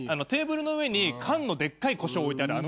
テーブルの上に缶のでっかいこしょう置いて。